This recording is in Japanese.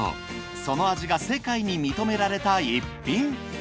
その味が世界に認められた逸品。